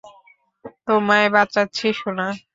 তোমায় বাঁচাচ্ছি, সোনা।